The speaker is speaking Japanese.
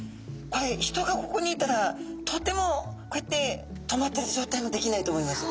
人がここにいたらとてもこうやって止まってる状態もできないと思います。